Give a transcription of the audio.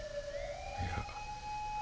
いや。